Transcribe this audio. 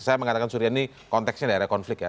saya mengatakan surya ini konteksnya daerah konflik ya